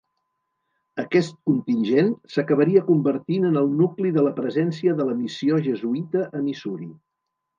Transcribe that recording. Aquest contingent s'acabaria convertint en el nucli de la presència de la missió jesuïta a Missouri.